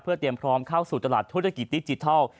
เตรียมพร้อมเข้าสู่ตลาดธุรกิจดิจิทัล